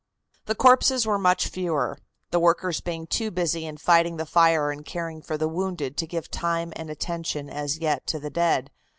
The corpses were much fewer, the workers being too busy in fighting the fire and caring for the wounded to give time and attention as yet to the dead.